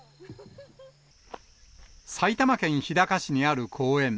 埼玉県日高市にある公園。